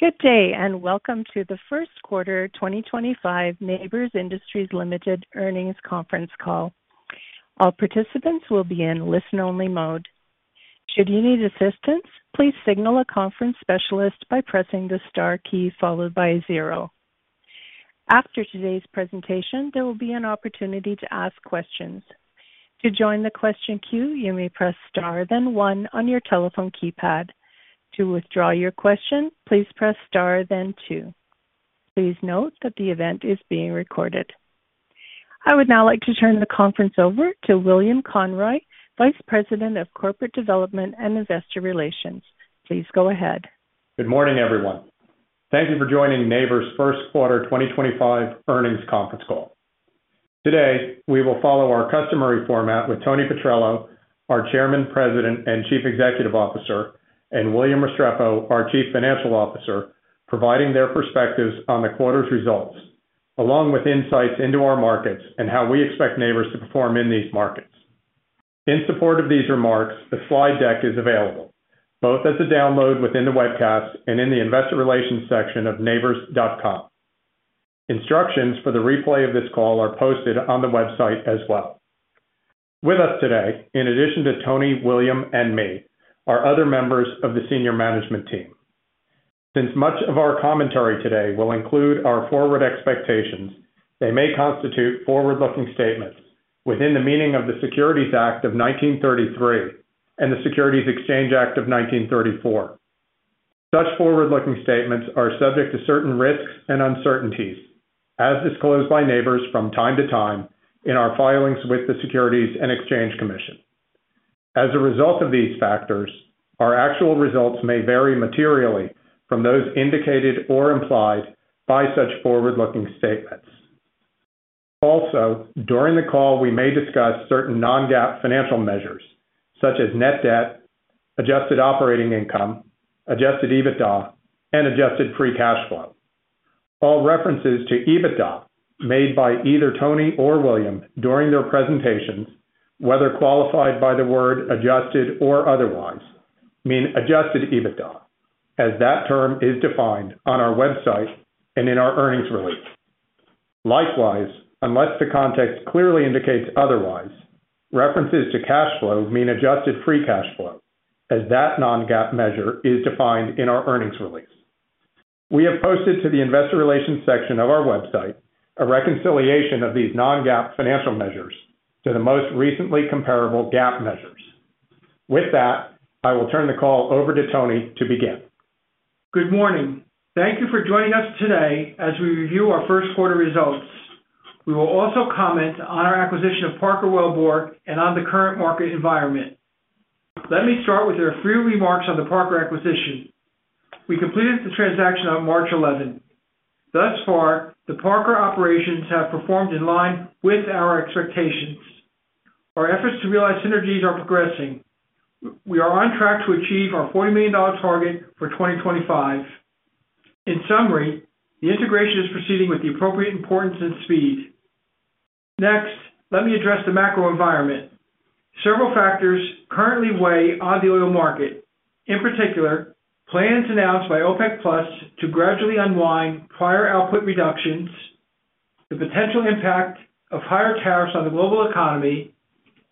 Good day and welcome to the First Quarter 2025 Nabors Industries Ltd Earnings Conference Call. All participants will be in listen-only mode. Should you need assistance, please signal a conference specialist by pressing the star key followed by zero. After today's presentation, there will be an opportunity to ask questions. To join the question queue, you may press star, then one on your telephone keypad. To withdraw your question, please press star, then two. Please note that the event is being recorded. I would now like to turn the conference over to William Conroy, Vice President of Corporate Development and Investor Relations. Please go ahead. Good morning, everyone. Thank you for joining Nabors Industries Ltd's First Quarter 2025 Earnings Conference Call. Today, we will follow our customary format with Tony Petrello, our Chairman, President, and Chief Executive Officer, and William Restrepo, our Chief Financial Officer, providing their perspectives on the quarter's results, along with insights into our markets and how we expect Nabors to perform in these markets. In support of these remarks, the slide deck is available both as a download within the webcast and in the investor relations section of nabors.com. Instructions for the replay of this call are posted on the website as well. With us today, in addition to Tony, William, and me, are other members of the senior management team. Since much of our commentary today will include our forward expectations, they may constitute forward-looking statements within the meaning of the Securities Act of 1933 and the Securities Exchange Act of 1934. Such forward-looking statements are subject to certain risks and uncertainties, as disclosed by Nabors Industries Ltd from time to time in our filings with the Securities and Exchange Commission. As a result of these factors, our actual results may vary materially from those indicated or implied by such forward-looking statements. Also, during the call, we may discuss certain non-GAAP financial measures, such as net debt, adjusted operating income, adjusted EBITDA, and adjusted free cash flow. All references to EBITDA made by either Tony or William during their presentations, whether qualified by the word adjusted or otherwise, mean adjusted EBITDA, as that term is defined on our website and in our earnings release. Likewise, unless the context clearly indicates otherwise, references to cash flow mean adjusted free cash flow, as that non-GAAP measure is defined in our earnings release. We have posted to the investor relations section of our website a reconciliation of these non-GAAP financial measures to the most recently comparable GAAP measures. With that, I will turn the call over to Tony to begin. Good morning. Thank you for joining us today as we review our first quarter results. We will also comment on our acquisition of Parker Wellbore and on the current market environment. Let me start with a few remarks on the Parker acquisition. We completed the transaction on March 11. Thus far, the Parker Wellbore operations have performed in line with our expectations. Our efforts to realize synergies are progressing. We are on track to achieve our $40 million target for 2025. In summary, the integration is proceeding with the appropriate importance and speed. Next, let me address the macro environment. Several factors currently weigh on the oil market. In particular, plans announced by OPEC+ to gradually unwind prior output reductions, the potential impact of higher tariffs on the global economy,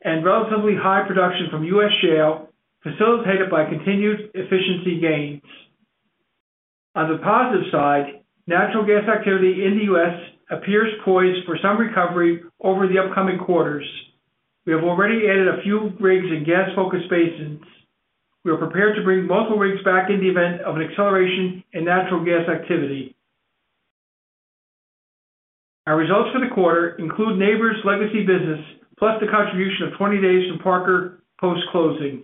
and relatively high production from U.S. shale facilitated by continued efficiency gains. On the positive side, natural gas activity in the U.S. appears poised for some recovery over the upcoming quarters. We have already added a few rigs in gas-focused basins. We are prepared to bring multiple rigs back in the event of an acceleration in natural gas activity. Our results for the quarter include Nabors Industries Ltd's legacy business, plus the contribution of 20 days from Parker post-closing.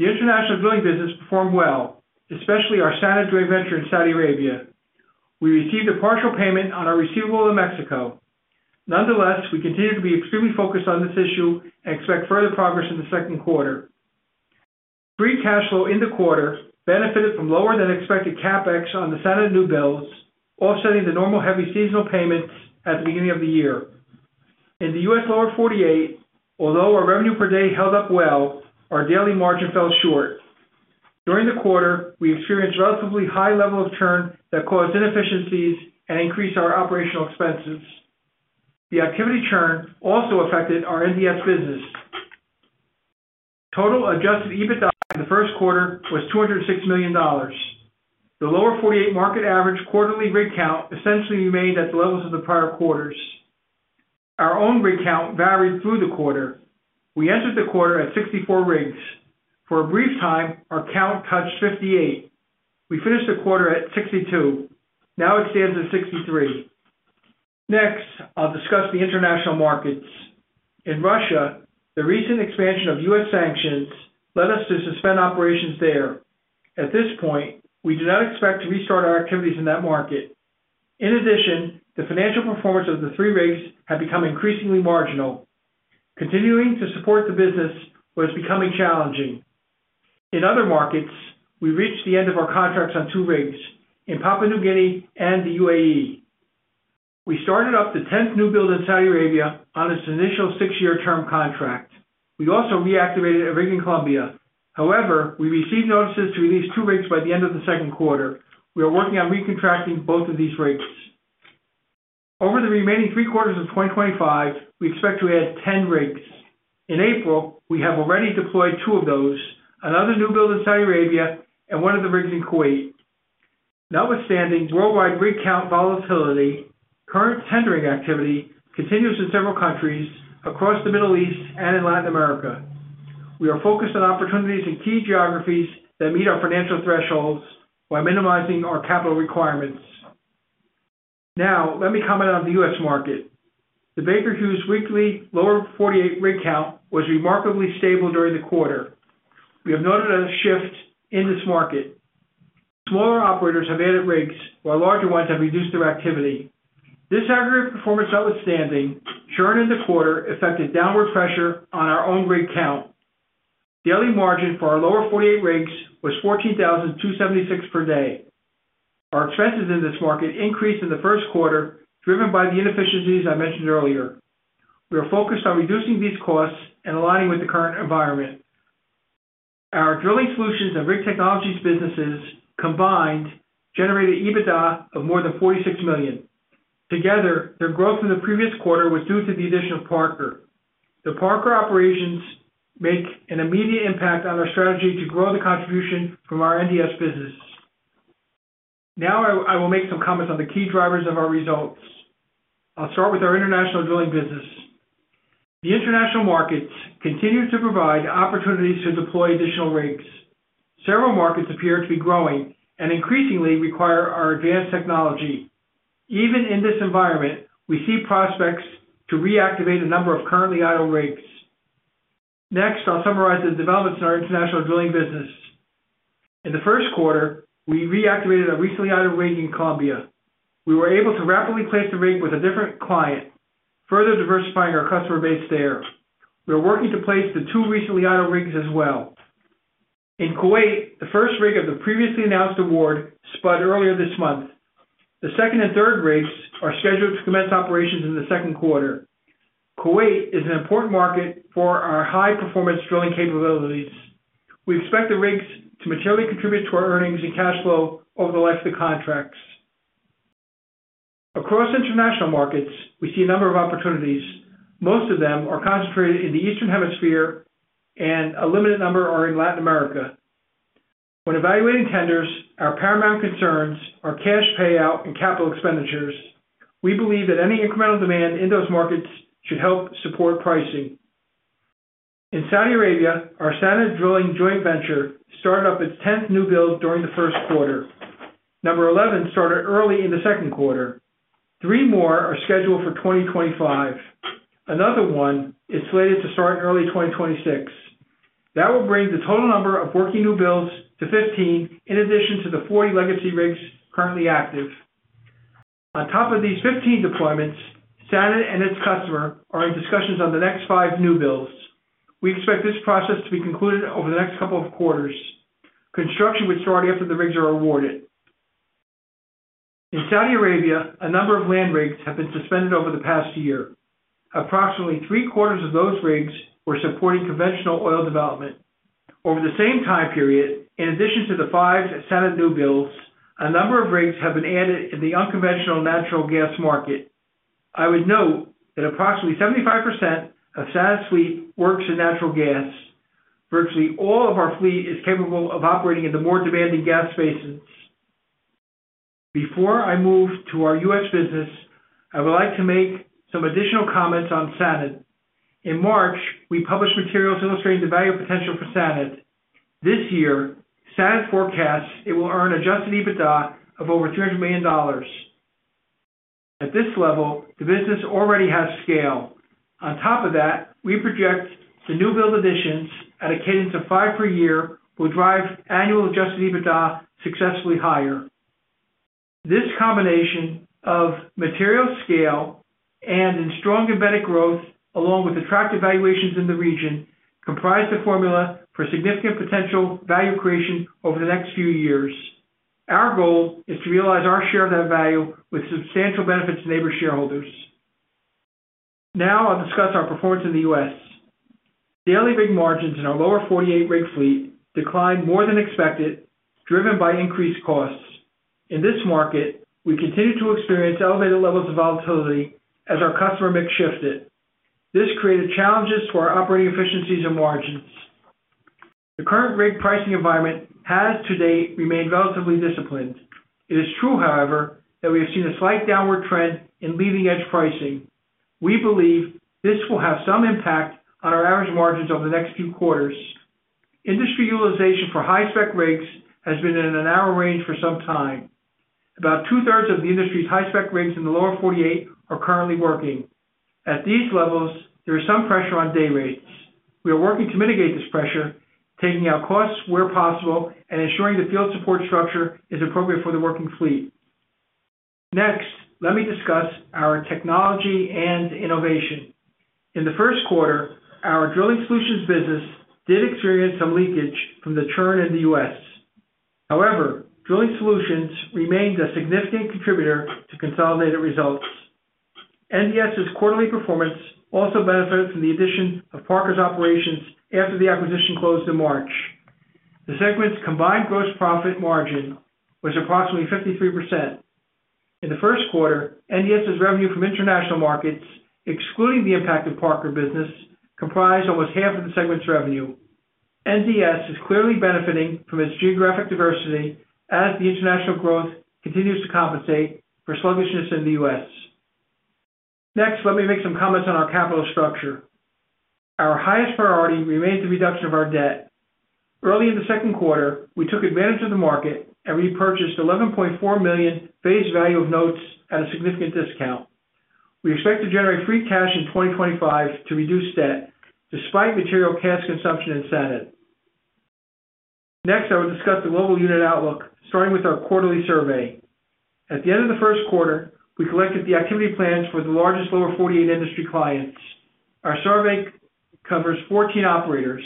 The international drilling business performed well, especially our San Andreas venture in Saudi Arabia. We received a partial payment on our receivable in Mexico. Nonetheless, we continue to be extremely focused on this issue and expect further progress in the second quarter. Free cash flow in the quarter benefited from lower-than-expected CapEx on the signed new builds, offsetting the normal heavy seasonal payments at the beginning of the year. In the U.S. Lower 48, although our revenue per day held up well, our daily margin fell short. During the quarter, we experienced a relatively high level of churn that caused inefficiencies and increased our operational expenses. The activity churn also affected our NDS business. Total adjusted EBITDA in the first quarter was $206 million. The Lower 48 market average quarterly rig count essentially remained at the levels of the prior quarters. Our own rig count varied through the quarter. We entered the quarter at 64 rigs. For a brief time, our count touched 58. We finished the quarter at 62. Now it stands at 63. Next, I'll discuss the international markets. In Russia, the recent expansion of U.S. sanctions led us to suspend operations there. At this point, we do not expect to restart our activities in that market. In addition, the financial performance of the three rigs had become increasingly marginal. Continuing to support the business was becoming challenging. In other markets, we reached the end of our contracts on two rigs in Papua New Guinea and the United Arab Emirates. We started up the 10th new build in Saudi Arabia on its initial six-year term contract. We also reactivated a rig in Colombia. However, we received notices to release two rigs by the end of the second quarter. We are working on recontracting both of these rigs. Over the remaining three quarters of 2025, we expect to add 10 rigs. In April, we have already deployed two of those, another new build in Saudi Arabia, and one of the rigs in Kuwait. Notwithstanding worldwide rig count volatility, current tendering activity continues in several countries across the Middle East and in Latin America. We are focused on opportunities in key geographies that meet our financial thresholds while minimizing our capital requirements. Now, let me comment on the U.S. market. The Baker Hughes weekly Lower 48 rig count was remarkably stable during the quarter. We have noted a shift in this market. Smaller operators have added rigs, while larger ones have reduced their activity. This aggregate performance, notwithstanding churn in the quarter, affected downward pressure on our own rig count. Daily margin for our Lower 48 rigs was $14,276 per day. Our expenses in this market increased in the first quarter, driven by the inefficiencies I mentioned earlier. We are focused on reducing these costs and aligning with the current environment. Our drilling solutions and rig technologies businesses combined generated EBITDA of more than $46 million. Together, their growth in the previous quarter was due to the addition of Parker Wellbore. The Parker Wellbore operations make an immediate impact on our strategy to grow the contribution from our NDS business. Now, I will make some comments on the key drivers of our results. I'll start with our international drilling business. The international markets continue to provide opportunities to deploy additional rigs. Several markets appear to be growing and increasingly require our advanced technology. Even in this environment, we see prospects to reactivate a number of currently idle rigs. Next, I'll summarize the developments in our international drilling business. In the first quarter, we reactivated a recently idle rig in Colombia. We were able to rapidly place the rig with a different client, further diversifying our customer base there. We are working to place the two recently idle rigs as well. In Kuwait, the first rig of the previously announced award spun earlier this month. The second and third rigs are scheduled to commence operations in the second quarter. Kuwait is an important market for our high-performance drilling capabilities. We expect the rigs to materially contribute to our earnings and cash flow over the life of the contracts. Across international markets, we see a number of opportunities. Most of them are concentrated in the Eastern Hemisphere, and a limited number are in Latin America. When evaluating tenders, our paramount concerns are cash payout and capital expenditures. We believe that any incremental demand in those markets should help support pricing. In Saudi Arabia, our San Andreas drilling joint venture started up its 10th new build during the first quarter. Number 11 started early in the second quarter. Three more are scheduled for 2025. Another one is slated to start in early 2026. That will bring the total number of working new builds to 15, in addition to the 40 legacy rigs currently active. On top of these 15 deployments, San Andreas and its customer are in discussions on the next five new builds. We expect this process to be concluded over the next couple of quarters. Construction would start after the rigs are awarded. In Saudi Arabia, a number of land rigs have been suspended over the past year. Approximately three quarters of those rigs were supporting conventional oil development. Over the same time period, in addition to the five San Andreas new builds, a number of rigs have been added in the unconventional natural gas market. I would note that approximately 75% of San Andreas fleet works in natural gas. Virtually all of our fleet is capable of operating in the more demanding gas spaces. Before I move to our U.S. business, I would like to make some additional comments on San Andreas. In March, we published materials illustrating the value potential for San Andreas. This year, San Andreas forecasts it will earn adjusted EBITDA of over $300 million. At this level, the business already has scale. On top of that, we project the new build additions at a cadence of five per year will drive annual adjusted EBITDA successfully higher. This combination of material scale and strong embedded growth, along with attractive valuations in the region, comprise the formula for significant potential value creation over the next few years. Our goal is to realize our share of that value with substantial benefits to Nabors Industries Ltd shareholders. Now, I'll discuss our performance in the U.S. daily rig margins in our Lower 48 rig fleet declined more than expected, driven by increased costs. In this market, we continue to experience elevated levels of volatility as our customer mix shifted. This created challenges for our operating efficiencies and margins. The current rig pricing environment has to date remained relatively disciplined. It is true, however, that we have seen a slight downward trend in leading-edge pricing. We believe this will have some impact on our average margins over the next few quarters. Industry utilization for high-spec rigs has been in a narrow range for some time. About two-thirds of the industry's high-spec rigs in the U.S. Lower 48 are currently working. At these levels, there is some pressure on day rates. We are working to mitigate this pressure, taking out costs where possible and ensuring the field support structure is appropriate for the working fleet. Next, let me discuss our technology and innovation. In the first quarter, our Drilling Solutions business did experience some leakage from the churn in the U.S. However, Drilling Solutions remained a significant contributor to consolidated results. NDS's quarterly performance also benefited from the addition of Parker Wellbore's operations after the acquisition closed in March. The segment's combined gross profit margin was approximately 53%. In the first quarter, NDS's revenue from international markets, excluding the impact of Parker Wellbore business, comprised almost half of the segment's revenue. NDS is clearly benefiting from its geographic diversity as the international growth continues to compensate for sluggishness in the U.S. Next, let me make some comments on our capital structure. Our highest priority remains the reduction of our debt. Early in the second quarter, we took advantage of the market and repurchased $11.4 million face value of notes at a significant discount. We expect to generate free cash in 2025 to reduce debt, despite material cash consumption in San Andreas. Next, I will discuss the global unit outlook, starting with our quarterly survey. At the end of the first quarter, we collected the activity plans for the largest Lower 48 industry clients. Our survey covers 14 operators.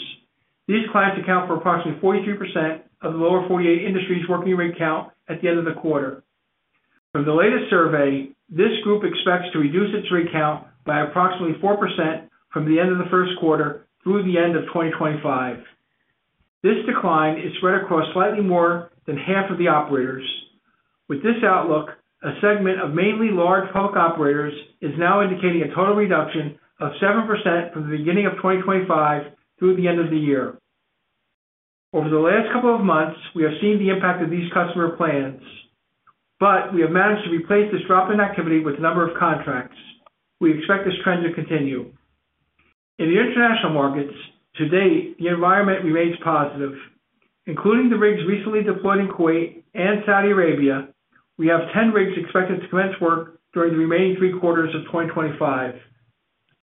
These clients account for approximately 43% of the Lower 48 industry's working rig count at the end of the quarter. From the latest survey, this group expects to reduce its rig count by approximately 4% from the end of the first quarter through the end of 2025. This decline is spread across slightly more than half of the operators. With this outlook, a segment of mainly large public operators is now indicating a total reduction of 7% from the beginning of 2025 through the end of the year. Over the last couple of months, we have seen the impact of these customer plans, but we have managed to replace this drop in activity with a number of contracts. We expect this trend to continue. In the international markets, to date, the environment remains positive. Including the rigs recently deployed in Kuwait and Saudi Arabia, we have 10 rigs expected to commence work during the remaining three quarters of 2025.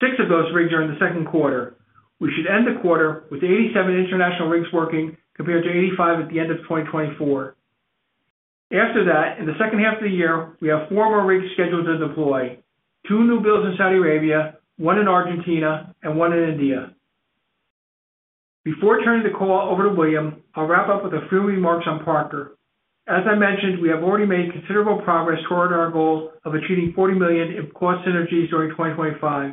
Six of those rigs are in the second quarter. We should end the quarter with 87 international rigs working compared to 85 at the end of 2024. After that, in the second half of the year, we have four more rigs scheduled to deploy: two new builds in Saudi Arabia, one in Argentina, and one in India. Before turning the call over to William, I'll wrap up with a few remarks on Parker Wellbore. As I mentioned, we have already made considerable progress toward our goal of achieving $40 million in core synergies during 2025.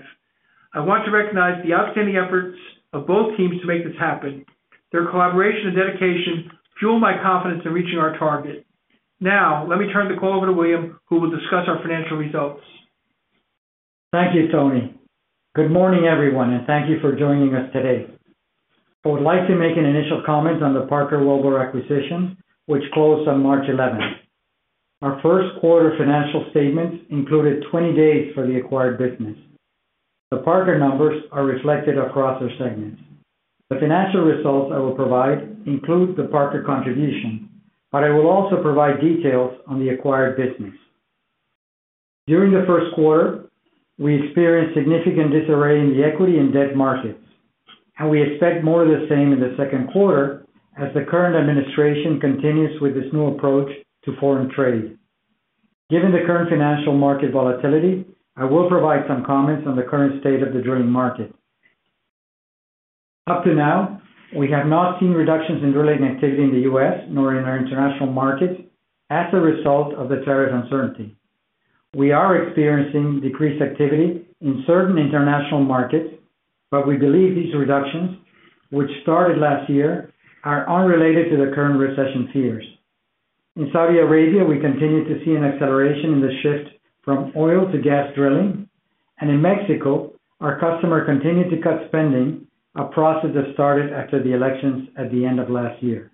I want to recognize the outstanding efforts of both teams to make this happen. Their collaboration and dedication fuel my confidence in reaching our target. Now, let me turn the call over to William, who will discuss our financial results. Thank you, Tony. Good morning, everyone, and thank you for joining us today. I would like to make an initial comment on the Parker Wellbore acquisition, which closed on March 11. Our first quarter financial statements included 20 days for the acquired business. The Parker Wellbore numbers are reflected across our segments. The financial results I will provide include the Parker Wellbore contribution, but I will also provide details on the acquired business. During the first quarter, we experienced significant disarray in the equity and debt markets, and we expect more of the same in the second quarter as the current administration continues with this new approach to foreign trade. Given the current financial market volatility, I will provide some comments on the current state of the drilling market. Up to now, we have not seen reductions in drilling activity in the U.S. nor in our international markets as a result of the tariff uncertainty. We are experiencing decreased activity in certain international markets, but we believe these reductions, which started last year, are unrelated to the current recession fears. In Saudi Arabia, we continue to see an acceleration in the shift from oil to gas drilling, and in Mexico, our customer continued to cut spending, a process that started after the elections at the end of last year.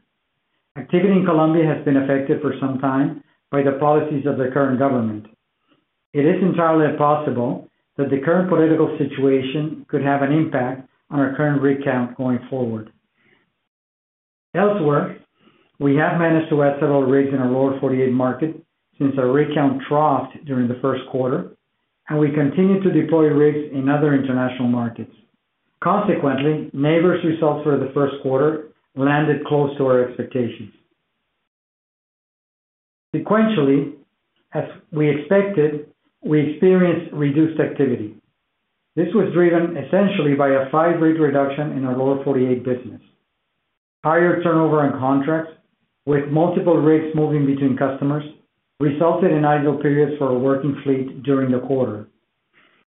Activity in Colombia has been affected for some time by the policies of the current government. It is entirely possible that the current political situation could have an impact on our current rig count going forward. Elsewhere, we have managed to add several rigs in our Lower 48 market since our rig count troughed during the first quarter, and we continue to deploy rigs in other international markets. Consequently, Nabors Industries Ltd results for the first quarter landed close to our expectations. Sequentially, as we expected, we experienced reduced activity. This was driven essentially by a five-rig reduction in our Lower 48 business. Higher turnover on contracts, with multiple rigs moving between customers, resulted in idle periods for our working fleet during the quarter.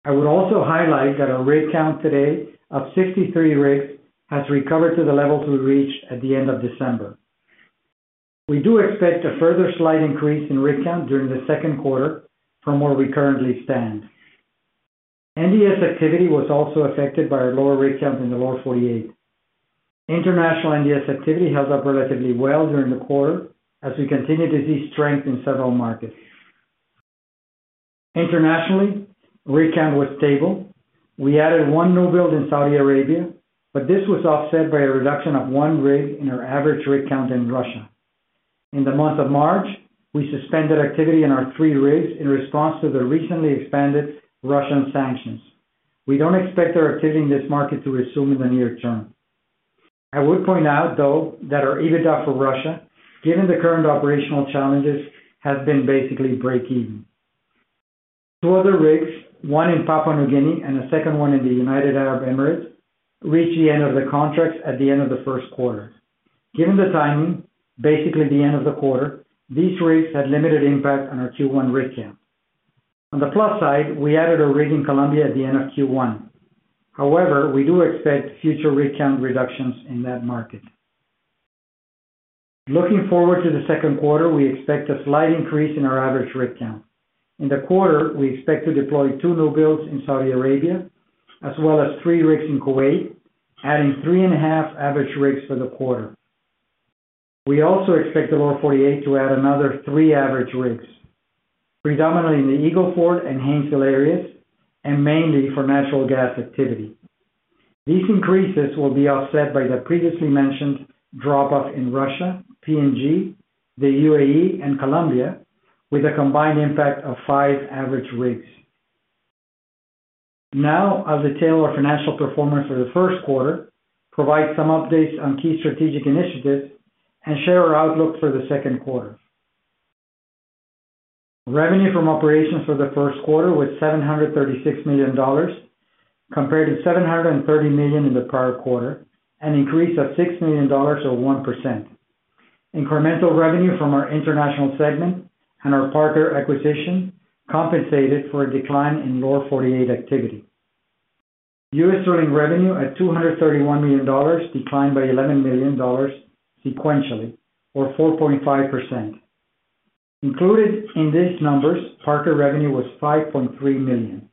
I would also highlight that our rig count today of 63 rigs has recovered to the level we reached at the end of December. We do expect a further slight increase in rig count during the second quarter from where we currently stand. NDS activity was also affected by our lower rig count in the Lower 48. International NDS activity held up relatively well during the quarter as we continued to see strength in several markets. Internationally, rig count was stable. We added one new build in Saudi Arabia, but this was offset by a reduction of one rig in our average rig count in Russia. In the month of March, we suspended activity in our three rigs in response to the recently expanded Russian sanctions. We don't expect our activity in this market to resume in the near term. I would point out, though, that our EBITDA for Russia, given the current operational challenges, has been basically break-even. Two other rigs, one in Papua New Guinea and a second one in the United Arab Emirates, reached the end of the contracts at the end of the first quarter. Given the timing, basically the end of the quarter, these rigs had limited impact on our Q1 rig count. On the plus side, we added a rig in Colombia at the end of Q1. However, we do expect future rig count reductions in that market. Looking forward to the second quarter, we expect a slight increase in our average rig count. In the quarter, we expect to deploy two new builds in Saudi Arabia, as well as three rigs in Kuwait, adding three and a half average rigs for the quarter. We also expect the U.S. Lower 48 to add another three average rigs, predominantly in the Eagle Ford and Haynesville areas, and mainly for natural gas activity. These increases will be offset by the previously mentioned drop-off in Russia, Papua New Guinea, the United Arab Emirates, and Colombia, with a combined impact of five average rigs. Now, I'll detail our financial performance for the first quarter, provide some updates on key strategic initiatives, and share our outlook for the second quarter. Revenue from operations for the first quarter was $736 million, compared to $730 million in the prior quarter, an increase of $6 million or 1%. Incremental revenue from our international segment and our Parker Wellbore acquisition compensated for a decline in U.S. Lower 48 activity. U.S. drilling revenue at $231 million declined by $11 million sequentially, or 4.5%. Included in these numbers, Parker Wellbore revenue was $5.3 million.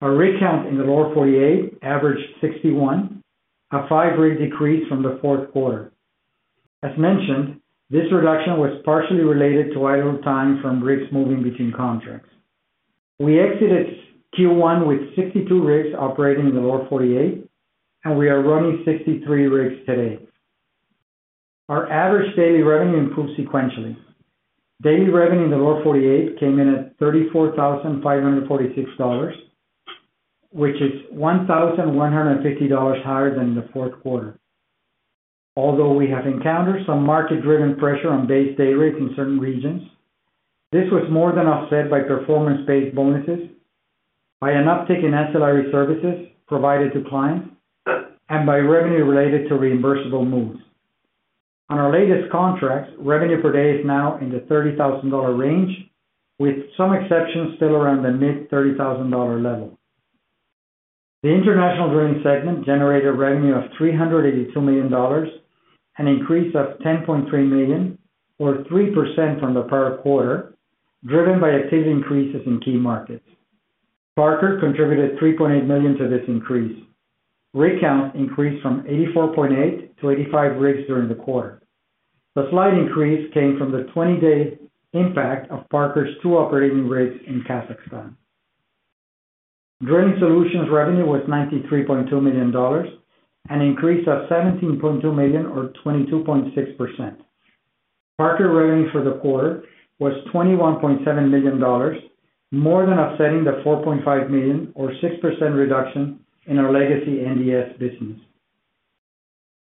Our rig count in the U.S. Lower 48 averaged 61, a five-rig decrease from the fourth quarter. As mentioned, this reduction was partially related to idle time from rigs moving between contracts. We exited Q1 with 62 rigs operating in the Lower 48, and we are running 63 rigs today. Our average daily revenue improved sequentially. Daily revenue in the Lower 48 came in at $34,546, which is $1,150 higher than the fourth quarter. Although we have encountered some market-driven pressure on base day rates in certain regions, this was more than offset by performance-based bonuses, by an uptick in ancillary services provided to clients, and by revenue related to reimbursable moves. On our latest contracts, revenue per day is now in the $30,000 range, with some exceptions still around the mid-$30,000 level. The international drilling segment generated revenue of $382 million and an increase of $10.3 million, or 3% from the prior quarter, driven by activity increases in key markets. Parker contributed $3.8 million to this increase. Rig count increased from 84.8 to 85 rigs during the quarter. The slight increase came from the 20-day impact of Parker Wellbore's two operating rigs in Kazakhstan. Drilling Solutions revenue was $93.2 million and an increase of $17.2 million, or 22.6%. Parker Wellbore revenue for the quarter was $21.7 million, more than offsetting the $4.5 million, or 6% reduction, in our legacy NDS business.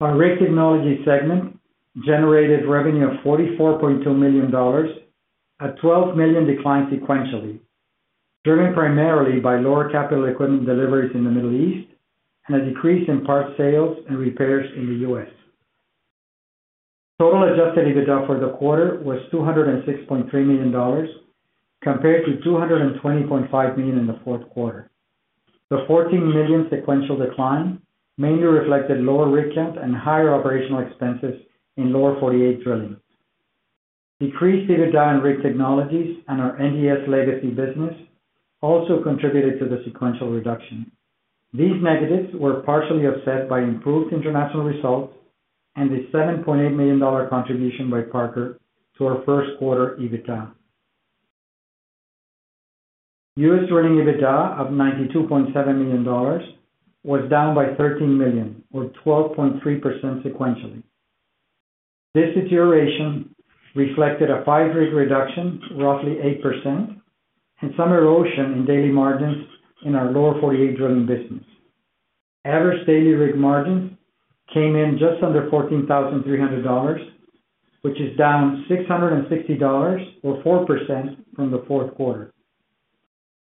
Our Rig Technologies segment generated revenue of $44.2 million, a $12 million decline sequentially, driven primarily by lower capital equipment deliveries in the Middle East and a decrease in parts sales and repairs in the U.S.. Total adjusted EBITDA for the quarter was $206.3 million, compared to $220.5 million in the fourth quarter. The $14 million sequential decline mainly reflected lower rig count and higher operational expenses in U.S. Lower 48 drilling. Decreased EBITDA in Rig Technologies and our NDS legacy business also contributed to the sequential reduction. These negatives were partially offset by improved international results and the $7.8 million contribution by Parker Wellbore to our first quarter EBITDA. U.S. drilling EBITDA of $92.7 million was down by $13 million, or 12.3% sequentially. This deterioration reflected a five-rig reduction, roughly 8%, and some erosion in daily margins in our Lower 48 drilling business. Average daily rig margins came in just under $14,300, which is down $660, or 4% from the fourth quarter.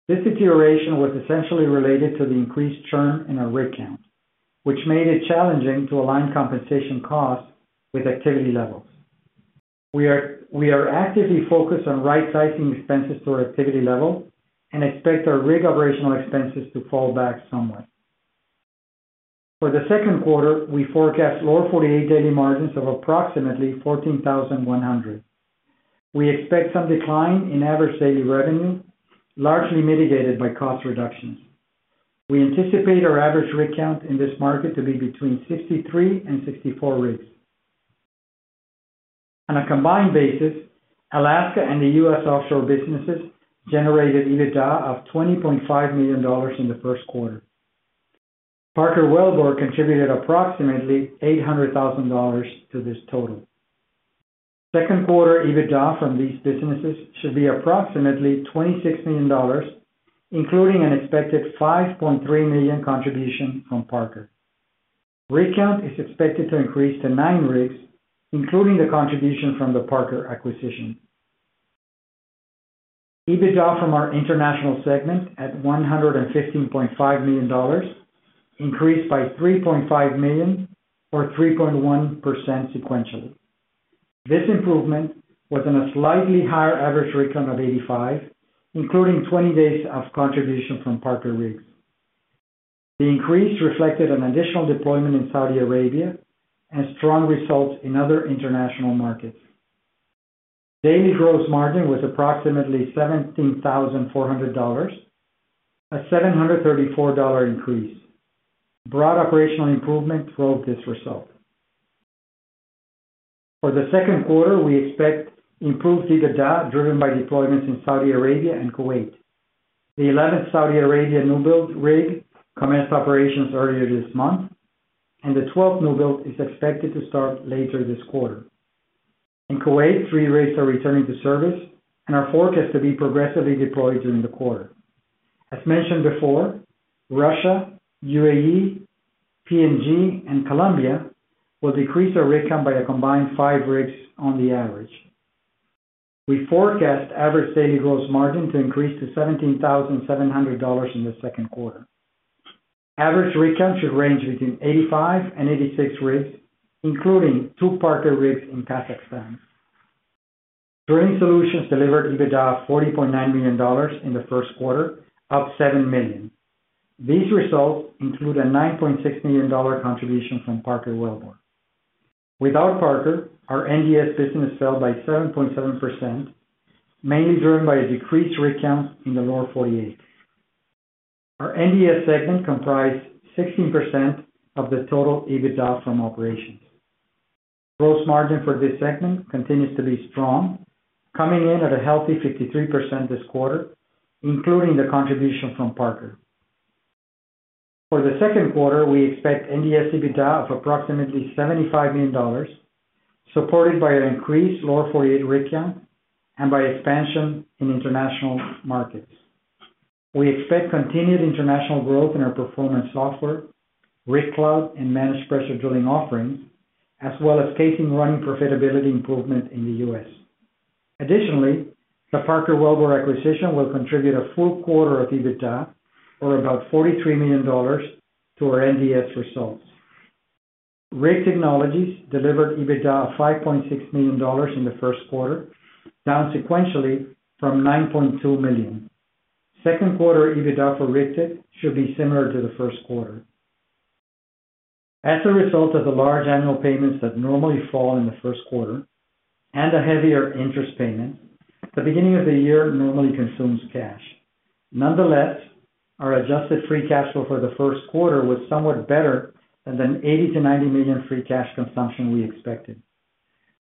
This deterioration was essentially related to the increased churn in our rig count, which made it challenging to align compensation costs with activity levels. We are actively focused on right-sizing expenses to our activity level and expect our rig operational expenses to fall back somewhat. For the second quarter, we forecast Lower 48 daily margins of approximately $14,100. We expect some decline in average daily revenue, largely mitigated by cost reductions. We anticipate our average rig count in this market to be between 63 and 64 rigs. On a combined basis, Alaska and the U.S. offshore businesses generated EBITDA of $20.5 million in the first quarter. Parker Wellbore contributed approximately $800,000 to this total. Second quarter EBITDA from these businesses should be approximately $26 million, including an expected $5.3 million contribution from Parker Wellbore. Rig count is expected to increase to nine rigs, including the contribution from the Parker Wellbore acquisition. EBITDA from our international segment at $115.5 million increased by $3.5 million, or 3.1% sequentially. This improvement was on a slightly higher average rig count of 85, including 20 days of contribution from Parker Wellbore rigs. The increase reflected an additional deployment in Saudi Arabia and strong results in other international markets. Daily gross margin was approximately $17,400, a $734 increase. Broad operational improvement drove this result. For the second quarter, we expect improved EBITDA driven by deployments in Saudi Arabia and Kuwait. The 11th Saudi Arabia new build rig commenced operations earlier this month, and the 12th new build is expected to start later this quarter. In Kuwait, three rigs are returning to service, and are forecast to be progressively deployed during the quarter. As mentioned before, Russia, UAE, Papua New Guinea, and Colombia will decrease their rig count by a combined five rigs on the average. We forecast average daily gross margin to increase to $17,700 in the second quarter. Average rig count should range between 85-86 rigs, including two Parker Wellbore rigs in Kazakhstan. Drilling Solutions delivered EBITDA of $40.9 million in the first quarter, up $7 million. These results include a $9.6 million contribution from Parker Wellbore. Without Parker Wellbore, our NDS business fell by 7.7%, mainly driven by a decreased rig count in the U.S. Lower 48. Our NDS segment comprised 16% of the total EBITDA from operations. Gross margin for this segment continues to be strong, coming in at a healthy 53% this quarter, including the contribution from Parker Wellbore. For the second quarter, we expect NDS EBITDA of approximately $75 million, supported by our increased U.S. Lower 48 rig count and by expansion in international markets. We expect continued international growth in our performance software, Rig Cloud, and managed pressure drilling offerings, as well as casing running profitability improvement in the U.S.. Additionally, the Parker Wellbore acquisition will contribute a full quarter of EBITDA, or about $43 million, to our NDS results. Rig Technologies delivered EBITDA of $5.6 million in the first quarter, down sequentially from $9.2 million. Second quarter EBITDA for Rig Technologies should be similar to the first quarter. As a result of the large annual payments that normally fall in the first quarter and the heavier interest payments, the beginning of the year normally consumes cash. Nonetheless, our adjusted free cash flow for the first quarter was somewhat better than the $80 million-$90 million free cash consumption we expected.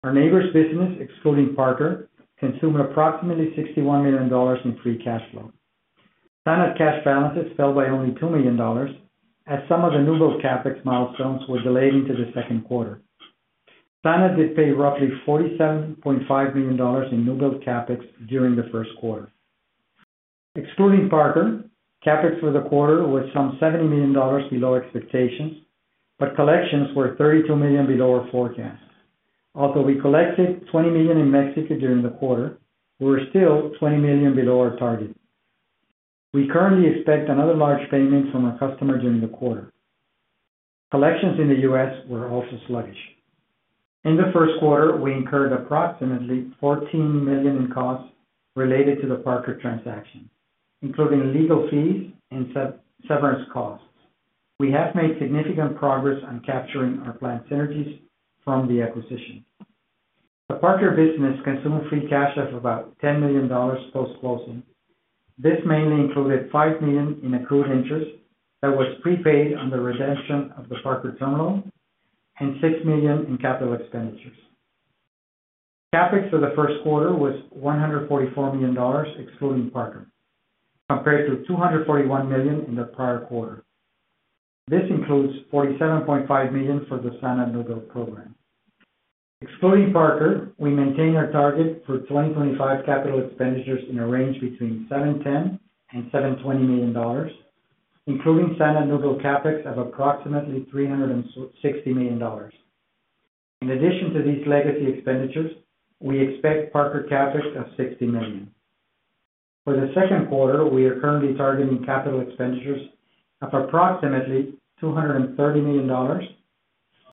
Our Nabors Industries Ltd business, excluding Parker Wellbore, consumed approximately $61 million in free cash flow. Standard cash balances fell by only $2 million, as some of the new build CapEx milestones were delayed into the second quarter. Standard did pay roughly $47.5 million in new build CapEx during the first quarter. Excluding Parker Wellbore, CapEx for the quarter was some $70 million below expectations, but collections were $32 million below our forecast. Although we collected $20 million in Mexico during the quarter, we were still $20 million below our target. We currently expect another large payment from our customer during the quarter. Collections in the U.S. were also sluggish. In the first quarter, we incurred approximately $14 million in costs related to the Parker Wellbore transaction, including legal fees and severance costs. We have made significant progress on capturing our planned synergies from the acquisition. The Parker Wellbore business consumed free cash of about $10 million post-closing. This mainly included $5 million in accrued interest that was prepaid on the redemption of the Parker Wellbore terminal and $6 million in capital expenditures. CapEx for the first quarter was $144 million, excluding Parker Wellbore, compared to $241 million in the prior quarter. This includes $47.5 million for the standard new build program. Excluding Parker Wellbore, we maintain our target for 2025 capital expenditures in a range between $710 million and $720 million, including standard new build CapEx of approximately $360 million. In addition to these legacy expenditures, we expect Parker Wellbore CapEx of $60 million. For the second quarter, we are currently targeting capital expenditures of approximately $230 million,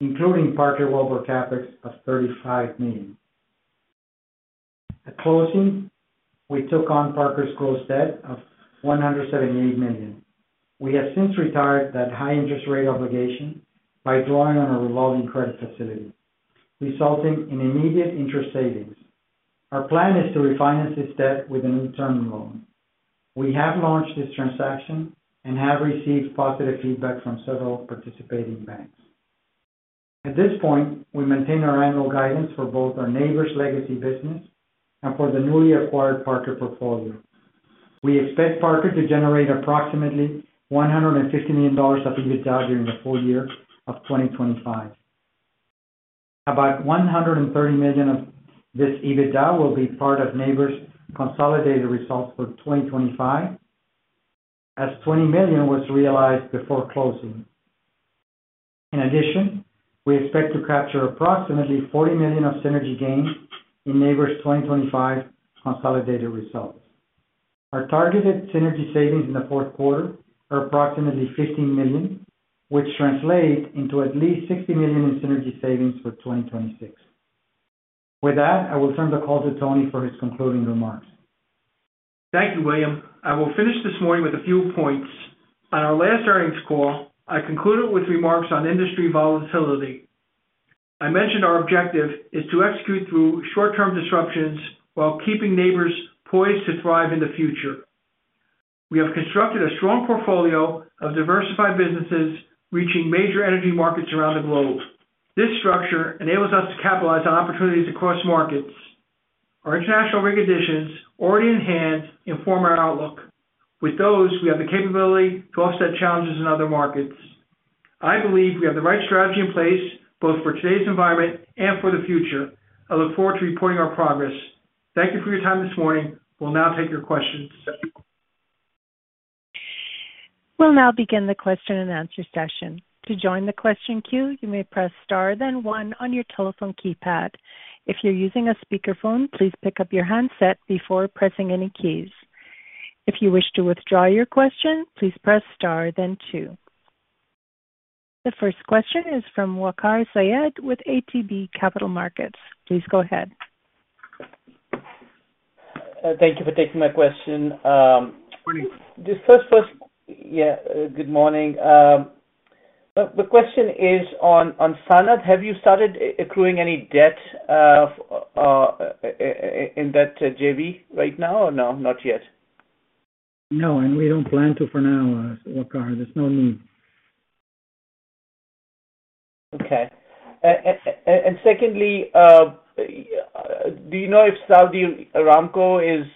including Parker Wellbore CapEx of $35 million. At closing, we took on Parker Wellbore's gross debt of $178 million. We have since retired that high-interest rate obligation by drawing on our revolving credit facility, resulting in immediate interest savings. Our plan is to refinance this debt with a new term loan. We have launched this transaction and have received positive feedback from several participating banks. At this point, we maintain our annual guidance for both our Nabors Industries Ltd legacy business and for the newly acquired Parker Wellbore portfolio. We expect Parker Wellbore to generate approximately $150 million of EBITDA during the full year of 2025. About $130 million of this EBITDA will be part of Nabors Industries Ltd's consolidated results for 2025, as $20 million was realized before closing. In addition, we expect to capture approximately $40 million of synergy gain in Nabors Industries Ltd's 2025 consolidated results. Our targeted synergy savings in the fourth quarter are approximately $15 million, which translates into at least $60 million in synergy savings for 2026. With that, I will turn the call to Tony for his concluding remarks. Thank you, William. I will finish this morning with a few points. On our last earnings call, I concluded with remarks on industry volatility. I mentioned our objective is to execute through short-term disruptions while keeping Nabors Industries Ltd poised to thrive in the future. We have constructed a strong portfolio of diversified businesses reaching major energy markets around the globe. This structure enables us to capitalize on opportunities across markets. Our international rig additions already in hand inform our outlook. With those, we have the capability to offset challenges in other markets. I believe we have the right strategy in place, both for today's environment and for the future. I look forward to reporting our progress. Thank you for your time this morning. We'll now take your questions. We'll now begin the question and answer session. To join the question queue, you may press star, then one on your telephone keypad. If you're using a speakerphone, please pick up your handset before pressing any keys. If you wish to withdraw your question, please press star, then two. The first question is from Waqar Syed with ATB Capital Markets. Please go ahead. Thank you for taking my question. Good morning. This first question, yeah, good morning. The question is on SANAD. Have you started accruing any debt in that JV right now or no? Not yet? No, and we do not plan to for now, Wakaar. There is no need. Okay. Secondly, do you know if Saudi Aramco is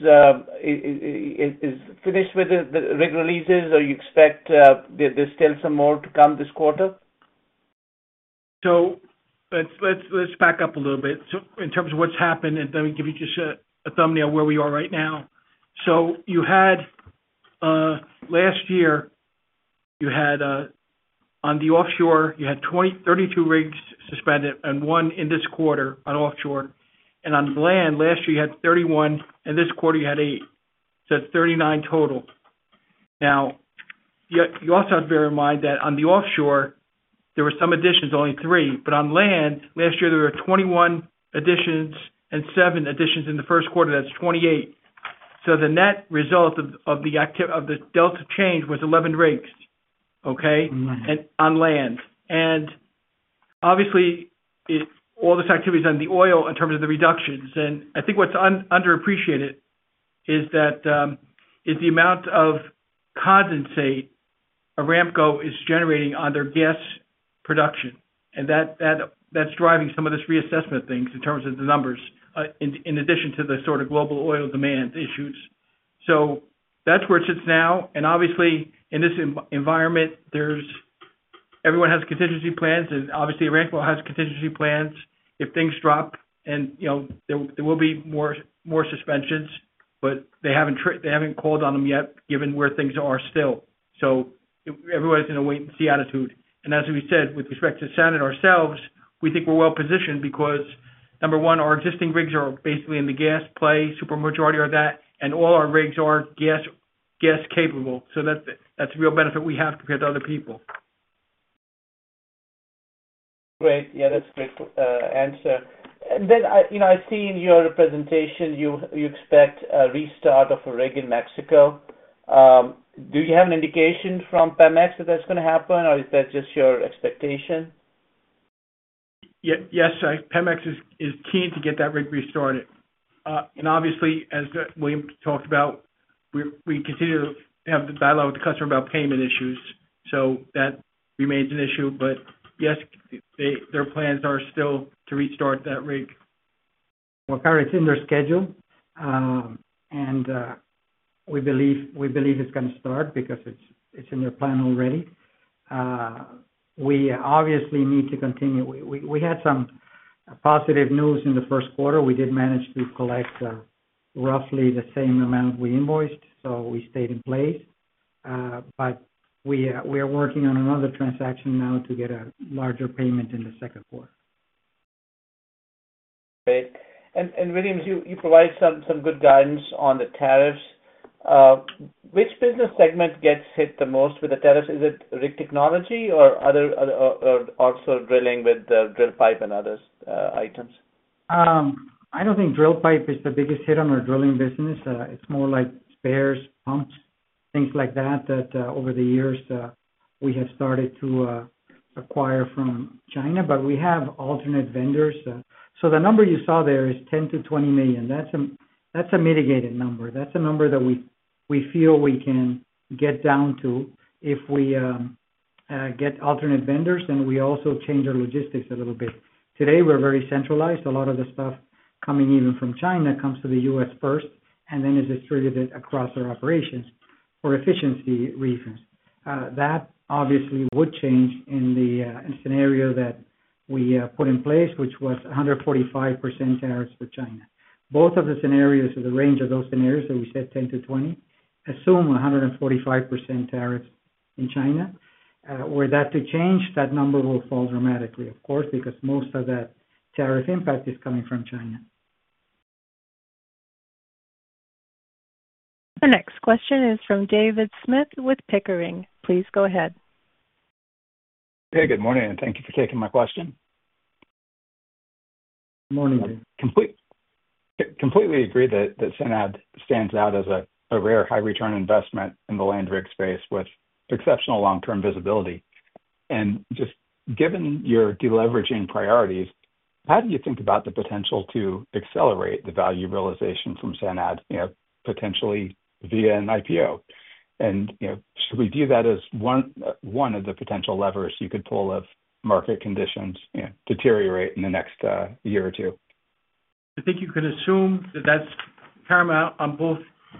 finished with the rig releases, or do you expect there are still some more to come this quarter? Let me back up a little bit in terms of what has happened, and let me give you just a thumbnail of where we are right now. Last year, on the offshore, you had 32 rigs suspended and one in this quarter on offshore. On land, last year you had 31, and this quarter you had 8. That is 39 total. Now, you also have to bear in mind that on the offshore, there were some additions, only three. On land, last year there were 21 additions and 7 additions in the first quarter. That's 28. The net result of the delta change was 11 rigs, okay, on land. Obviously, all this activity is on the oil in terms of the reductions. I think what's underappreciated is the amount of condensate Aramco is generating on their gas production. That's driving some of this reassessment things in terms of the numbers, in addition to the sort of global oil demand issues. That's where it sits now. Obviously, in this environment, everyone has contingency plans, and obviously, Aramco has contingency plans. If things drop, there will be more suspensions, but they haven't called on them yet, given where things are still. Everyone's in a wait-and-see attitude. As we said, with respect to SANAD ourselves, we think we're well-positioned because, number one, our existing rigs are basically in the gas play, super majority of that, and all our rigs are gas-capable. That's a real benefit we have compared to other people. Great. Yeah, that's a great answer. I see in your presentation you expect a restart of a rig in Mexico. Do you have an indication from PEMEX that that's going to happen, or is that just your expectation? Yes, PEMEX is keen to get that rig restarted. Obviously, as William talked about, we continue to have the dialogue with the customer about payment issues, so that remains an issue. Yes, their plans are still to restart that rig. Waqar, it's in their schedule, and we believe it's going to start because it's in their plan already. We obviously need to continue. We had some positive news in the first quarter. We did manage to collect roughly the same amount we invoiced, so we stayed in place. We are working on another transaction now to get a larger payment in the second quarter. Great. William, you provided some good guidance on the tariffs. Which business segment gets hit the most with the tariffs? Is it rig technology or also drilling with the drill pipe and other items? I don't think drill pipe is the biggest hit on our drilling business. It's more like spares, pumps, things like that that over the years we have started to acquire from China. We have alternate vendors. The number you saw there is $10 million-$20 million. That's a mitigated number. That's a number that we feel we can get down to if we get alternate vendors, and we also change our logistics a little bit. Today, we're very centralized. A lot of the stuff coming even from China comes to the U.S. first, and then is distributed across our operations for efficiency reasons. That obviously would change in the scenario that we put in place, which was 145% tariffs for China. Both of the scenarios, the range of those scenarios that we said $10-$20, assume 145% tariffs in China. Were that to change, that number will fall dramatically, of course, because most of that tariff impact is coming from China. The next question is from David Smith with Pickering. Please go ahead. Hey, good morning, and thank you for taking my question. Good morning. Completely agree that Standard stands out as a rare high-return investment in the land rig space with exceptional long-term visibility. Given your deleveraging priorities, how do you think about the potential to accelerate the value realization from Standard, potentially via an IPO? Should we view that as one of the potential levers you could pull if market conditions deteriorate in the next year or two? I think you can assume that that is paramount on both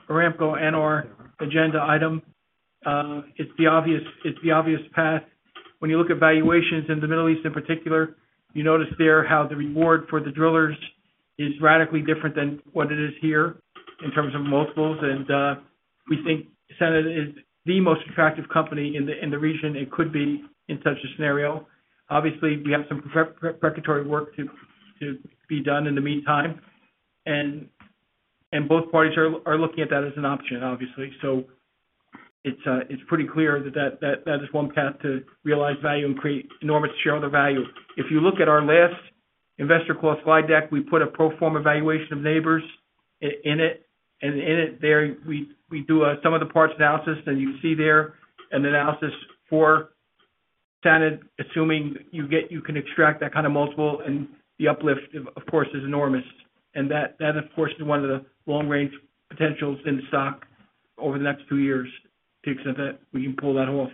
Aramco and our agenda item. It is the obvious path. When you look at valuations in the Middle East in particular, you notice there how the reward for the drillers is radically different than what it is here in terms of multiples. We think Standard is the most attractive company in the region it could be in such a scenario. Obviously, we have some preparatory work to be done in the meantime, and both parties are looking at that as an option, obviously. It is pretty clear that that is one path to realize value and create enormous shareholder value. If you look at our last investor call slide deck, we put a pro forma valuation of Nabors in it. In it, we do some of the parts analysis that you see there and analysis for SANAD, assuming you can extract that kind of multiple. The uplift, of course, is enormous. That, of course, is one of the long-range potentials in stock over the next two years to the extent that we can pull that off.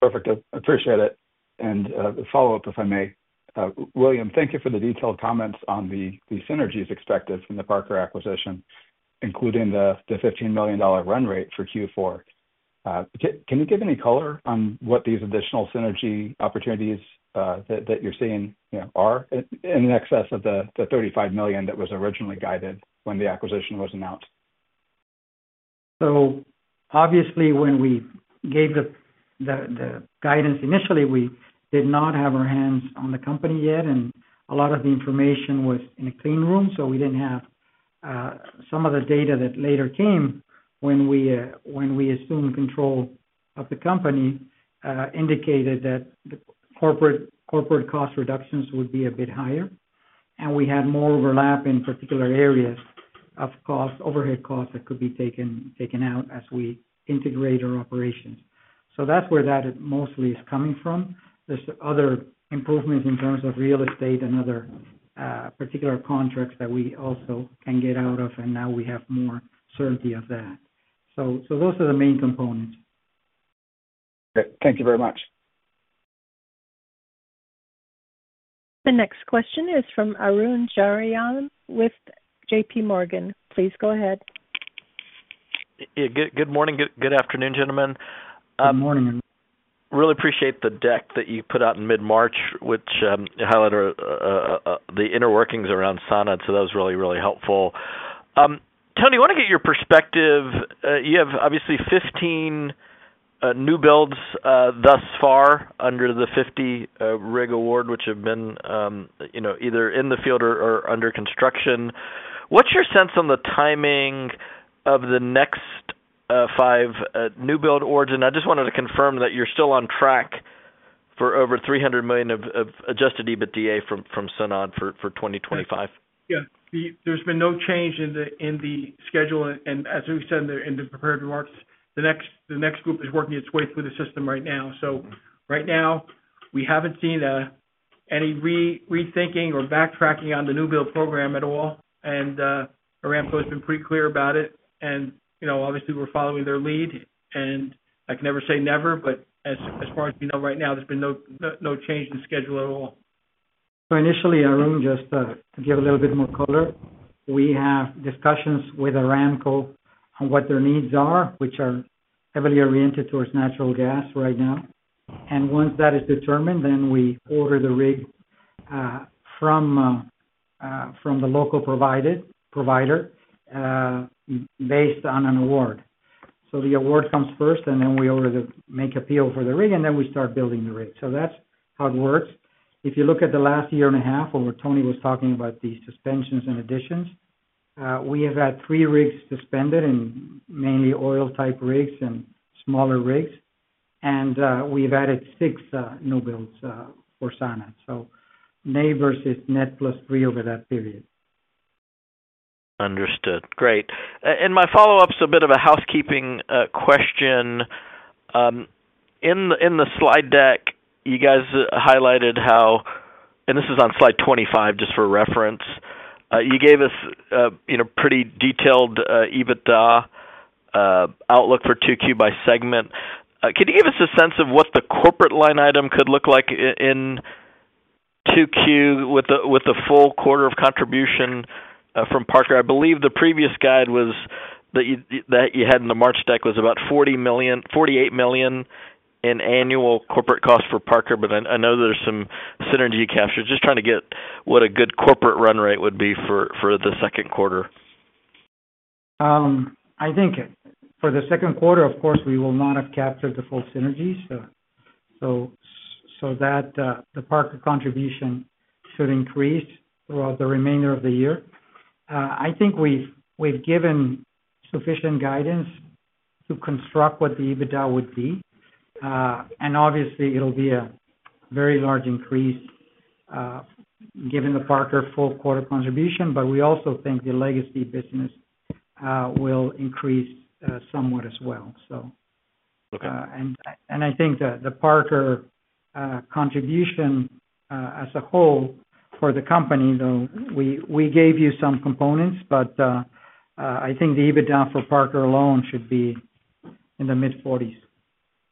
Perfect. I appreciate it. The follow-up, if I may. William, thank you for the detailed comments on the synergies expected from the Parker Wellbore acquisition, including the $15 million run rate for Q4. Can you give any color on what these additional synergy opportunities that you're seeing are in excess of the $35 million that was originally guided when the acquisition was announced? Obviously, when we gave the guidance initially, we did not have our hands on the company yet, and a lot of the information was in a clean room. We did not have some of the data that later came when we assumed control of the company, which indicated that the corporate cost reductions would be a bit higher. We had more overlap in particular areas of overhead costs that could be taken out as we integrate our operations. That is where that mostly is coming from. There's other improvements in terms of real estate and other particular contracts that we also can get out of, and now we have more certainty of that. Those are the main components. Thank you very much. The next question is from Arun Jayaram with JP Morgan. Please go ahead. Good morning. Good afternoon, gentlemen. Good morning. Really appreciate the deck that you put out in mid-March, which highlighted the inner workings around SANAD. That was really, really helpful. Tony, I want to get your perspective. You have obviously 15 new builds thus far under the 50 rig award, which have been either in the field or under construction. What's your sense on the timing of the next five new build awards? I just wanted to confirm that you're still on track for over $300 million of adjusted EBITDA from SANAD for 2025. Yeah. There's been no change in the schedule. As we said in the prepared remarks, the next group is working its way through the system right now. Right now, we haven't seen any rethinking or backtracking on the new build program at all. Aramco has been pretty clear about it. Obviously, we're following their lead. I can never say never, but as far as we know right now, there's been no change in the schedule at all. Initially, Arun, just to give a little bit more color, we have discussions with Aramco on what their needs are, which are heavily oriented towards natural gas right now. Once that is determined, then we order the rig from the local provider based on an award. The award comes first, then we make appeal for the rig, and then we start building the rig. That is how it works. If you look at the last year and a half, or Tony was talking about these suspensions and additions, we have had three rigs suspended, and mainly oil-type rigs and smaller rigs. We have added six new builds for Standard. So Nabors Industries Ltd is net +3 over that period. Understood. Great. My follow-up is a bit of a housekeeping question. In the slide deck, you guys highlighted how—this is on slide 25, just for reference—you gave us a pretty detailed EBITDA outlook for 2Q by segment. Could you give us a sense of what the corporate line item could look like in 2Q with the full quarter of contribution from Parker Wellbore? I believe the previous guide that you had in the March deck was about $48 million in annual corporate cost for Parker Wellbore, but I know there is some synergy capture. Just trying to get what a good corporate run rate would be for the second quarter. I think for the second quarter, of course, we will not have captured the full synergy. The Parker Wellbore contribution should increase throughout the remainder of the year. I think we've given sufficient guidance to construct what the EBITDA would be. Obviously, it'll be a very large increase given the Parker Wellbore full quarter contribution. We also think the legacy business will increase somewhat as well. I think the Parker Wellbore contribution as a whole for the company, though, we gave you some components, but I think the EBITDA for Parker Wellbore alone should be in the mid-40s for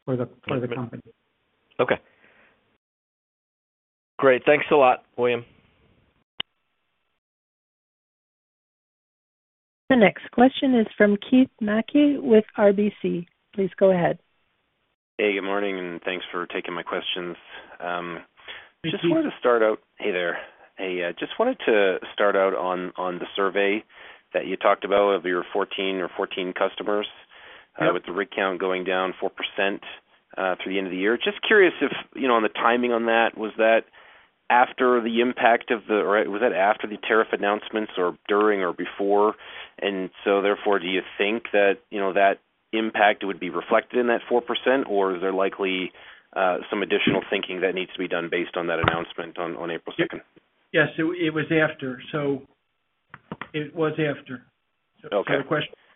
the company. Okay. Great. Thanks a lot, William. The next question is from Keith Mackey with RBC. Please go ahead. Hey, good morning, and thanks for taking my questions. Just wanted to start out—hey there. Hey. Just wanted to start out on the survey that you talked about of your 14 customers with the rig count going down 4% through the end of the year. Just curious if on the timing on that, was that after the impact of the—or was that after the tariff announcements or during or before? Therefore, do you think that that impact would be reflected in that 4%, or is there likely some additional thinking that needs to be done based on that announcement on April 2nd? Yes, it was after. It was after.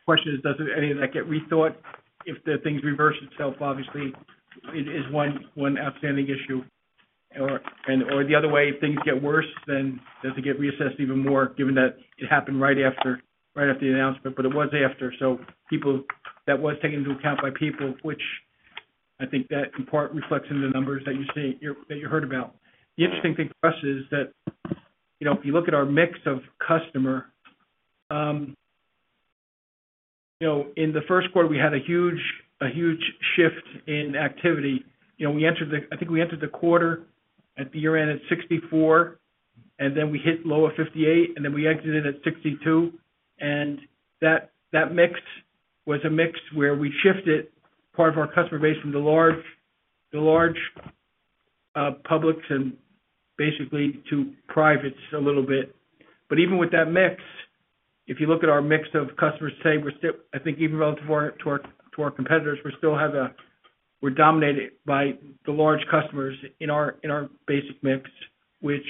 The question is, does any of that get rethought? If things reverse itself, obviously, it is one outstanding issue. The other way, if things get worse, then does it get reassessed even more given that it happened right after the announcement? It was after. That was taken into account by people, which I think that in part reflects in the numbers that you heard about. The interesting thing for us is that if you look at our mix of customer, in the first quarter, we had a huge shift in activity. I think we entered the quarter at the year-end at 64, and then we hit low of 58, and then we exited at 62. That mix was a mix where we shifted part of our customer base from the large publics and basically to privates a little bit. Even with that mix, if you look at our mix of customers, I think even relative to our competitors, we're dominated by the large customers in our basic mix, which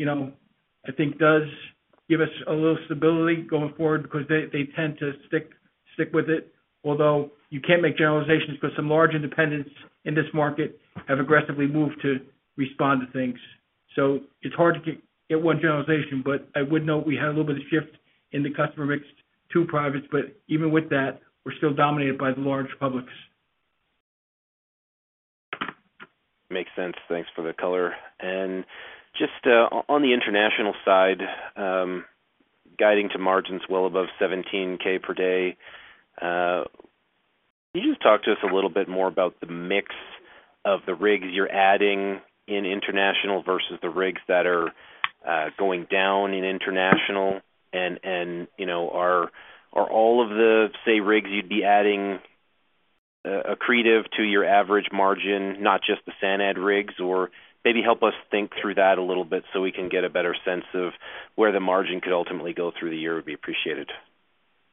I think does give us a little stability going forward because they tend to stick with it. Although you can't make generalizations because some large independents in this market have aggressively moved to respond to things. It is hard to get one generalization, but I would note we had a little bit of shift in the customer mix to privates. Even with that, we're still dominated by the large publics. Makes sense. Thanks for the color. Just on the international side, guiding to margins well above $17,000 per day, can you just talk to us a little bit more about the mix of the rigs you're adding in international versus the rigs that are going down in international? Are all of the, say, rigs you'd be adding accretive to your average margin, not just the Standard rigs? Maybe help us think through that a little bit so we can get a better sense of where the margin could ultimately go through the year would be appreciated.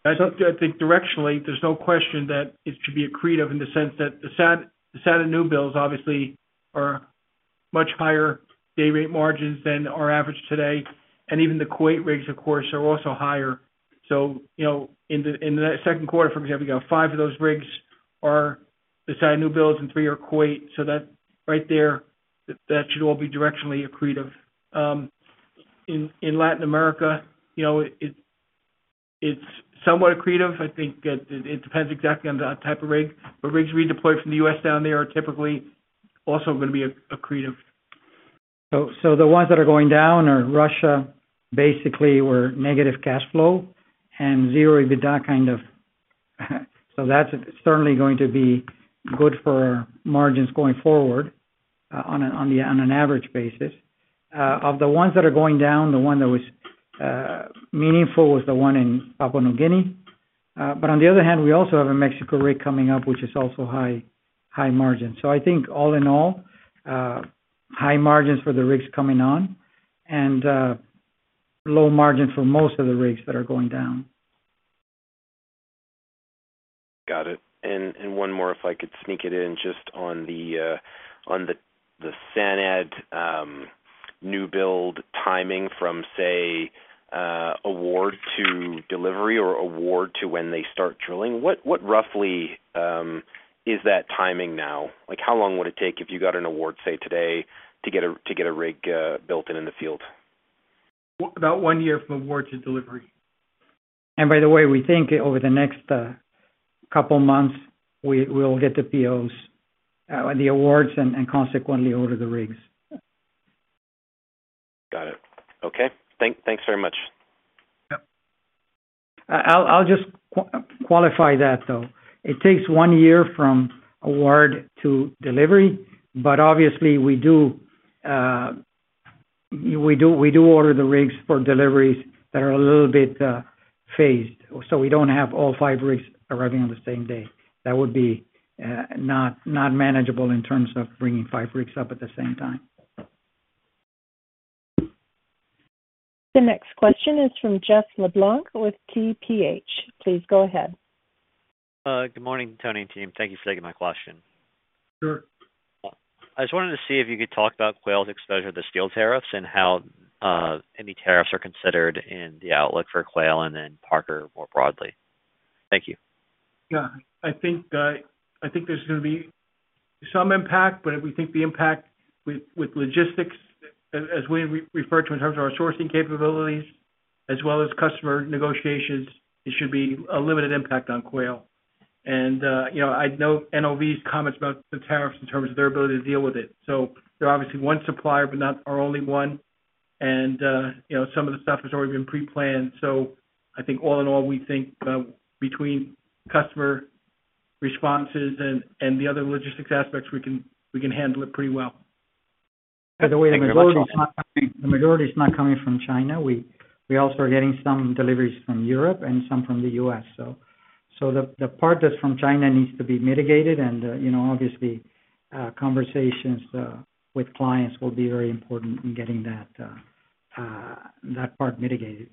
As I think directionally, there's no question that it should be accretive in the sense that the Standard new builds obviously are much higher day rate margins than our average today. Even the Kuwait rigs, of course, are also higher. In the second quarter, for example, you got five of those rigs are the Standard new builds and three are Kuwait. Right there, that should all be directionally accretive. In Latin America, it's somewhat accretive. I think it depends exactly on the type of rig. Rigs we deploy from the U.S. down there are typically also going to be accretive. The ones that are going down are Russia, basically where negative cash flow and zero EBITDA kind of. That is certainly going to be good for our margins going forward on an average basis. Of the ones that are going down, the one that was meaningful was the one in Papua New Guinea. On the other hand, we also have a Mexico rig coming up, which is also high margins. I think all in all, high margins for the rigs coming on and low margins for most of the rigs that are going down. Got it. One more, if I could sneak it in, just on the Standard new build timing from, say, award to delivery or award to when they start drilling. What roughly is that timing now? How long would it take if you got an award, say, today to get a rig built in the field? About one year from award to delivery. By the way, we think over the next couple of months, we'll get the POs, the awards, and consequently order the rigs. Got it. Okay. Thanks very much. Yep. I'll just qualify that, though. It takes one year from award to delivery, but obviously, we do order the rigs for deliveries that are a little bit phased. We don't have all five rigs arriving on the same day. That would be not manageable in terms of bringing five rigs up at the same time. The next question is from Jeff LeBlanc with TPH. Please go ahead. Good morning, Tony and team. Thank you for taking my question. Sure. I just wanted to see if you could talk about Quail's exposure to the steel tariffs and how any tariffs are considered in the outlook for Quail and then Parker Wellbore more broadly. Thank you. Yeah. I think there's going to be some impact, but we think the impact with logistics, as we refer to in terms of our sourcing capabilities, as well as customer negotiations, it should be a limited impact on Quail. I know NOV's comments about the tariffs in terms of their ability to deal with it. They are obviously one supplier, but not our only one. Some of the stuff has already been pre-planned. I think all in all, we think between customer responses and the other logistics aspects, we can handle it pretty well. By the way, the majority is not coming from China. We also are getting some deliveries from Europe and some from the U.S. The part that's from China needs to be mitigated. Obviously, conversations with clients will be very important in getting that part mitigated.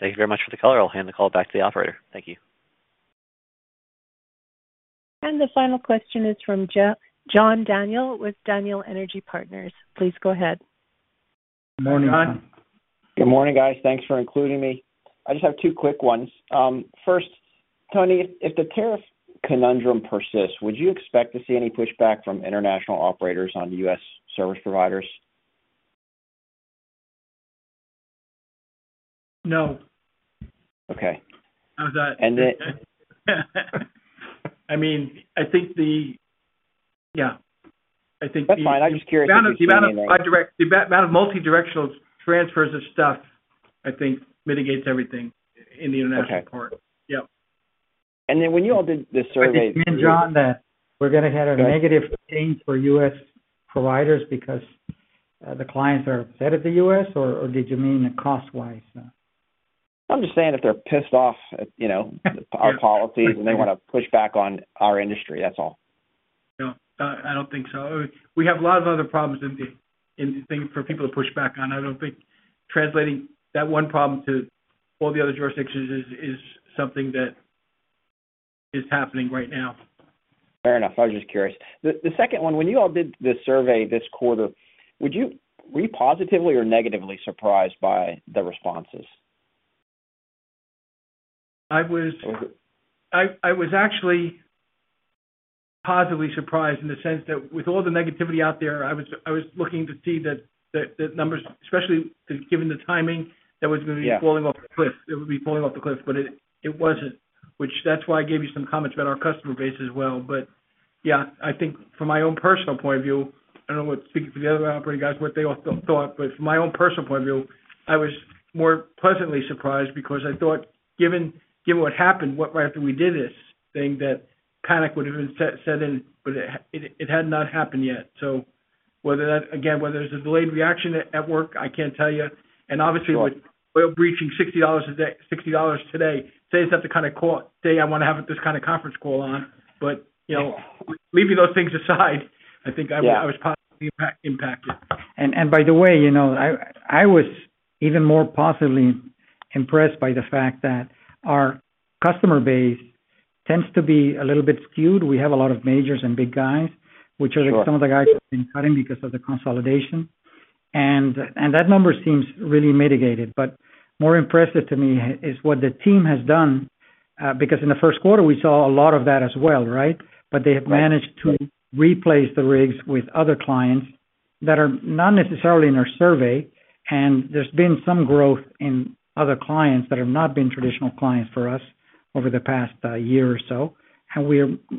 Thank you very much for the call. I'll hand the call back to the operator. Thank you. The final question is from John Daniel with Daniel Energy Partners. Please go ahead. Good morning. Good morning, guys. Thanks for including me. I just have two quick ones. First, Tony, if the tariff conundrum persists, would you expect to see any pushback from international operators on U.S. service providers? No. Okay. How's that? I mean, I think the—yeah. I think the— That's fine. I'm just curious if you want to— The amount of multidirectional transfers of stuff, I think, mitigates everything in the international part. Yep. When you all did the survey— I think, me and John, that we're going to get a negative change for U.S. providers because the clients are upset at the U.S., or did you mean cost-wise? I'm just saying if they're pissed off at our policies and they want to push back on our industry, that's all. No, I don't think so. We have a lot of other problems in the thing for people to push back on. I don't think translating that one problem to all the other jurisdictions is something that is happening right now. Fair enough. I was just curious. The second one, when you all did the survey this quarter, were you positively or negatively surprised by the responses? I was actually positively surprised in the sense that with all the negativity out there, I was looking to see the numbers, especially given the timing that was going to be falling off the cliff. It would be falling off the cliff, but it was not, which is why I gave you some comments about our customer base as well. Yeah, I think from my own personal point of view, I do not know what speaking to the other operator guys, what they all thought, but from my own personal point of view, I was more pleasantly surprised because I thought, given what happened right after we did this, thing that panic would have been set in, but it had not happened yet. Again, whether there is a delayed reaction at work, I cannot tell you. Obviously, with oil breaching $60 today, today is not the kind of day I want to have this kind of conference call on. Leaving those things aside, I think I was positively impacted. By the way, I was even more positively impressed by the fact that our customer base tends to be a little bit skewed. We have a lot of majors and big guys, which are some of the guys that have been cutting because of the consolidation. That number seems really mitigated. More impressive to me is what the team has done because in the first quarter, we saw a lot of that as well, right? They have managed to replace the rigs with other clients that are not necessarily in our survey. There has been some growth in other clients that have not been traditional clients for us over the past year or so. We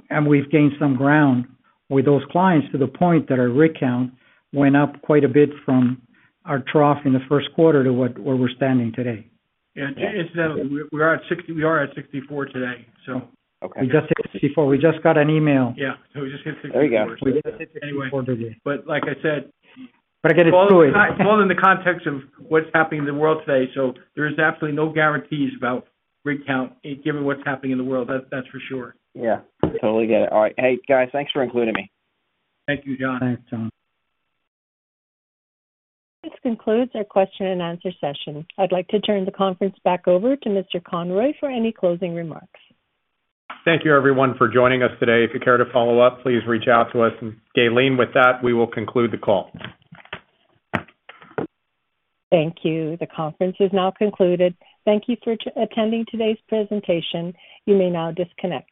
have gained some ground with those clients to the point that our rig count went up quite a bit from our trough in the first quarter to where we are standing today. Incidentally, we are at 64 today. We just hit 64. We just got an email. We just hit 64. There you go. We just hit 64 today. Like I said, I get it is always all in the context of what is happening in the world today. There are absolutely no guarantees about rig count, given what is happening in the world. That is for sure. Totally get it. All right. Hey, guys, thanks for including me. Thank you, John. Thanks, John. This concludes our question and answer session. I'd like to turn the conference back over to Mr. Conroy for any closing remarks. Thank you, everyone, for joining us today. If you care to follow up, please reach out to us. Gaylene, with that, we will conclude the call. Thank you. The conference is now concluded. Thank you for attending today's presentation. You may now disconnect.